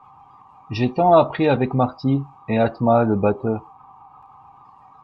J'ai tant appris avec Marty et Atma, le batteur.